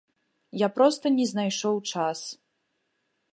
Я проста не знайшоў час.